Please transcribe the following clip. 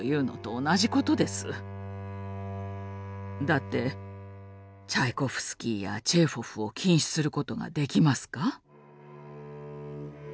だってチャイコフスキーやチェーホフを禁止することができますか？